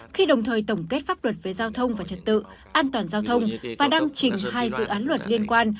khi đồng thời tổng kết pháp luật về giao thông và trật tự an toàn giao thông và đăng trình hai dự án luật liên quan